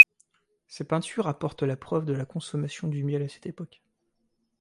Ces peintures apportent la preuve de la consommation du miel à cette époque.